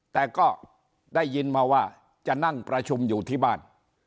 แต่ก็ได้ยินมาว่าจะนั่งประชุมอยู่ที่บ้าน